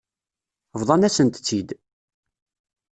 Bḍan-asent-tt-id.